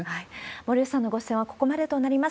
森内さんのご出演はここまでとなります。